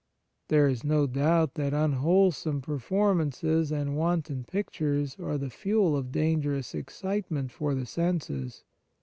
There is no doubt that unwholesome performances and wanton pictures are the fuel of dan gerous excitement for the senses.